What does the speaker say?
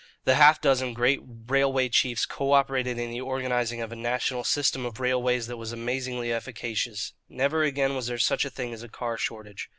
The half dozen great railway chiefs co operated in the organizing of a national system of railways that was amazingly efficacious. Never again was there such a thing as a car shortage.